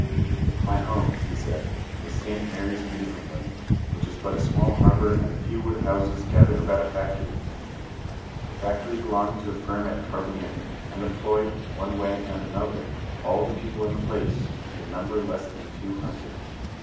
"My home," he said, "was St. Mary's, in Newfoundland, which is but a small harbour and a few wood houses gathered about a factory. The factory belonged to a firm at Carbonear, and employed, one way and another, all the people in the place, in number less than two hundred.